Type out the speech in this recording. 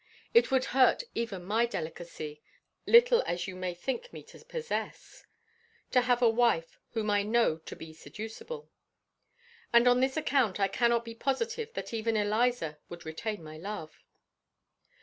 It would hurt even my delicacy, little as you may think me to possess, to have a wife whom I know to be seducible. And on this account I cannot be positive that even Eliza would retain my love.